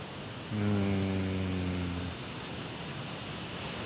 うん。